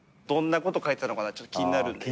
どんなこと書いたのかちょっと気になる。